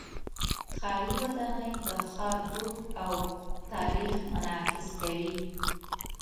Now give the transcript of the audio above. ښاري ودانۍ د ښار دود او تاریخ منعکس کوي.